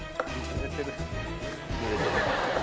濡れてる。